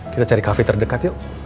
kita cari kafe terdekat yuk